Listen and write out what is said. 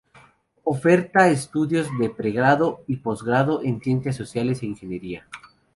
Oferta estudios de pregrado y posgrado en ciencias sociales e ingeniería.